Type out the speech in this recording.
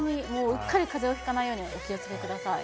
うっかりかぜをひかないようにお気をつけください。